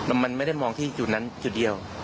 มันไม่ได้มองที่จุดเดียว